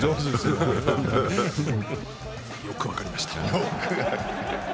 よく分かりました。